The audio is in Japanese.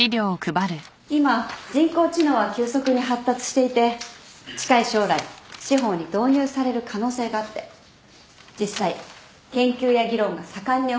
今人工知能は急速に発達していて近い将来司法に導入される可能性があって実際研究や議論が盛んに行われているの。